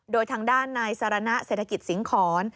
โดยทางด้านนายสารณะเศรษฐกิจสิงหอน